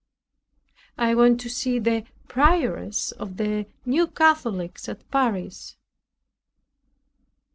I went to see the prioress of the New Catholics at Paris.